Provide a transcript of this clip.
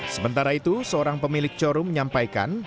sementara itu seorang pemilik showroom menyampaikan